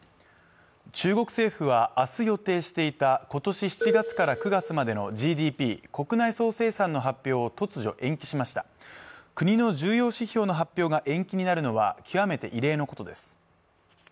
中国政府はあす予定していたことし７月から９月までのＧＤＰ＝国内総生産の発表を突如延期しました国の重要指標の発表が延期になるのは極めて異例のことです